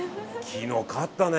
昨日勝ったね。